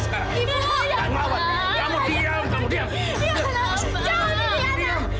aku yang punya peraturan di sini sekarang